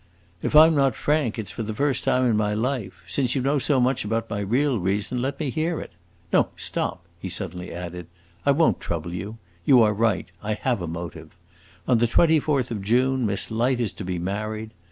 "If I 'm not frank, it 's for the first time in my life. Since you know so much about my real reason, let me hear it! No, stop!" he suddenly added, "I won't trouble you. You are right, I have a motive. On the twenty fourth of June Miss Light is to be married.